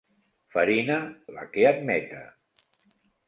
Farina, la que admeta.